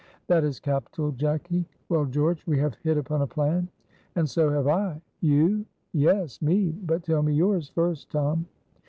"That is capital, Jacky. Well, George, we have hit upon a plan." "And so have I." "You?" "Yes! me! but tell me yours first, Tom."